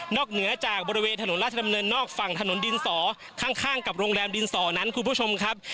เหนือจากบริเวณถนนราชดำเนินนอกฝั่งถนนดินสอข้างกับโรงแรมดินสอนั้นคุณผู้ชมครับ